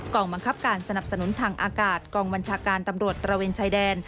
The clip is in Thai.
บังคับการสนับสนุนทางอากาศกองบัญชาการตำรวจตระเวนชายแดน